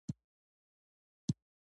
هغه په عمودي ډول کیږدئ.